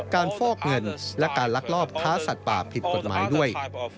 ฟอกเงินและการลักลอบค้าสัตว์ป่าผิดกฎหมายด้วย